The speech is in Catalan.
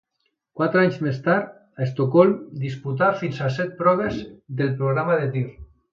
Quatre anys més tard, a Estocolm, disputà fins a set proves del programa de tir.